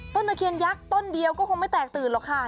ตะเคียนยักษ์ต้นเดียวก็คงไม่แตกตื่นหรอกค่ะ